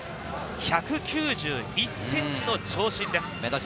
１９１ｃｍの長身です。